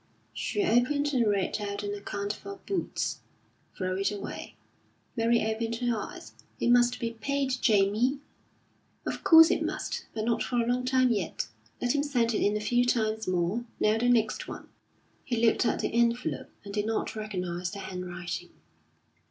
She opened and read out an account for boots. "Throw it away." Mary opened her eyes. "It must be paid, Jamie." "Of course it must; but not for a long time yet. Let him send it in a few times more. Now the next one." He looked at the envelope, and did not recognise the handwriting.